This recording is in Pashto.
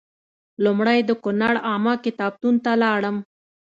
لومړی د کونړ عامه کتابتون ته لاړم.